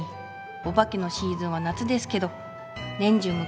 おばけのシーズンは夏ですけど年中無休ですよ。